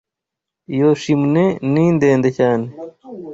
Iyo chimney ni ndende cyane.